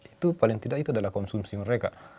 itu paling tidak itu adalah konsumsi mereka